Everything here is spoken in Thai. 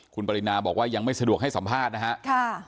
คุณปรินาบอกว่ายังไม่สะดวกให้สัมภาษณ์นะครับ